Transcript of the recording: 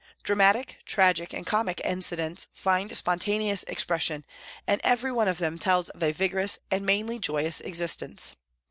Dramatic, tragic and comic incidents find spon taneous expression, and every one of them tells of a vigorous and mainly joyous existence.